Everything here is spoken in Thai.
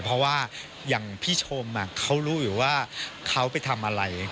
เพราะว่าอย่างพี่ชมเขารู้อยู่ว่าเขาไปทำอะไร